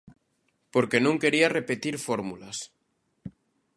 Porque non quería repetir fórmulas.